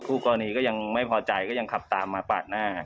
คู่กรณีก็ยังไม่พอใจก็ยังขับตามมาปาดหน้า